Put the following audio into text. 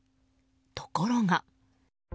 ところが。